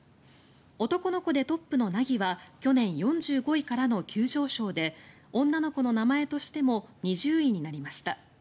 男の子でトップの凪は去年４５位からの急上昇で女の子の名前としても２０位となりました。